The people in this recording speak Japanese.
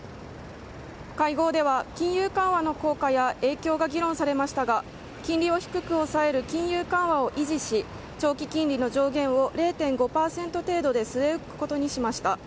会合では金融緩和の効果や影響が議論されましたが金利を低く抑える金融緩和を維持し長期金利の上限を０．５％程度で据え置くことにしました。